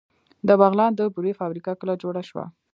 د بغلان د بورې فابریکه کله جوړه شوه؟